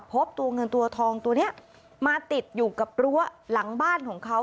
พบตัวเงินตัวทองตัวนี้มาติดอยู่กับรั้วหลังบ้านของเขา